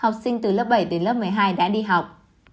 học sinh từ lớp bảy đến lớp một mươi hai đã đi học